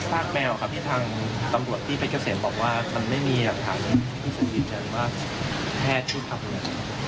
ภาคแมวที่ทางตำรวจพี่เฟชเกษมบอกว่ามันไม่มีอย่างถามที่สงสัยเจนว่าแพทย์พูดคำเลย